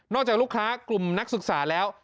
จากลูกค้ากลุ่มนักศึกษาแล้ว